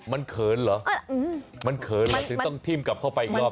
มันเขิญเหรอคือต้องทิ้มกลับเข้าไปอีกรอบ